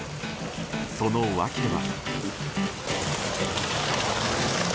その訳は。